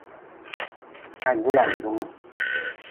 Hajulanjungu.